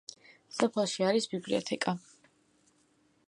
სოფელში არის ბიბლიოთეკა.